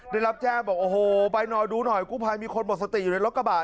ได้รับแจ้งบอกโอ้โหไปหน่อยดูหน่อยกู้ภัยมีคนหมดสติอยู่ในรถกระบะ